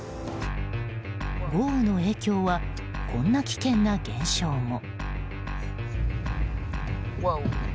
豪雨の影響はこんな危険な現象も。